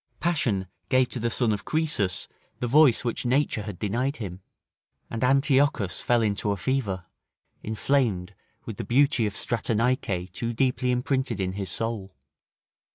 Passion gave to the son of Croesus the voice which nature had denied him. And Antiochus fell into a fever, inflamed with the beauty of Stratonice, too deeply imprinted in his soul.